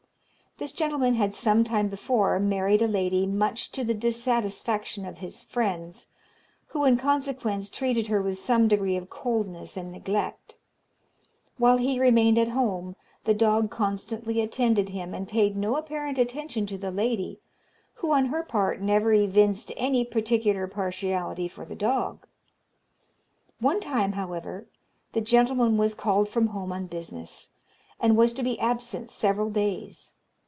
This gentleman had some time before married a lady much to the dissatisfaction of his friends, who, in consequence, treated her with some degree of coldness and neglect. While he remained at home, the dog constantly attended him, and paid no apparent attention to the lady, who, on her part, never evinced any particular partiality for the dog. One time, however, the gentleman was called from home on business, and was to be absent several days.